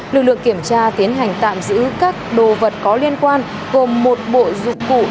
lực lượng kiểm tra tiến hành tạm giữ các đồ vật có liên quan gồm một bộ dụng cụ